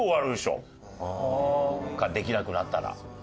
できなくなったら。